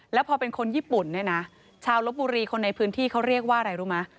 แล้วพอเป็นคนญี่ปุ่นเนี่ยนะชาวลบบุรีคนในพื้นที่เขาเรียกว่าอะไรรู้ไหม